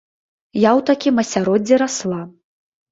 Я ў такім асяроддзі расла.